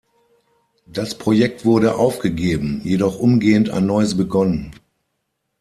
Das Projekt wurde aufgegeben, jedoch umgehend ein neues begonnen.